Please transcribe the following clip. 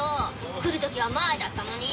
来る時は前だったのに。